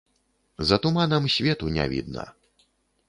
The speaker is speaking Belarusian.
За туманам свету не відна!